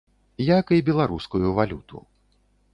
Як і беларускую валюту.